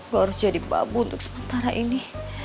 gue harus jadi babu untuk sementara ini